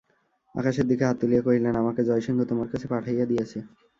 আকাশের দিকে হাত তুলিয়া কহিলেন, আমাকে জয়সিংহ তোমার কাছে পাঠাইয়া দিয়াছে।